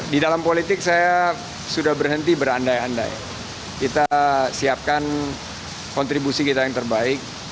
di dalam politik saya sudah berhenti berandai andai kita siapkan kontribusi kita yang terbaik